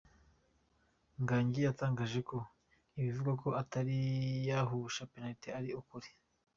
Gangi yatangaje ko ibivugwa ko atari yahusha penaliti ari ukuri.